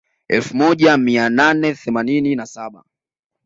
Elfu moja mia nane themanini na saba